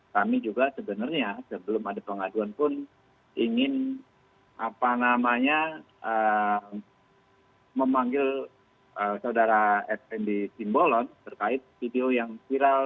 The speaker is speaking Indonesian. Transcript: kami juga sebenarnya sebelum ada pengaduan pun ingin apa namanya memanggil saudara fnd simbolon terkait video yang viral